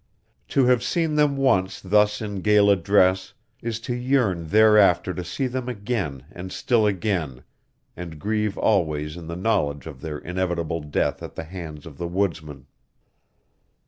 To have seen them once thus in gala dress is to yearn thereafter to see them again and still again and grieve always in the knowledge of their inevitable death at the hands of the woodsman.